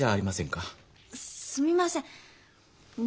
すみません。